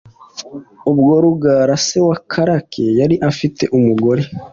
Ubwo Rugara se wa Karake yari afite umugore